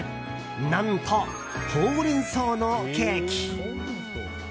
何とホウレンソウのケーキ。